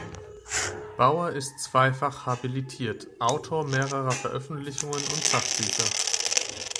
Bauer ist zweifach habilitiert, Autor mehrerer Veröffentlichungen und Sachbücher.